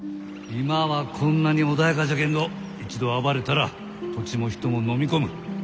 今はこんなに穏やかじゃけんど一度暴れたら土地も人ものみ込む。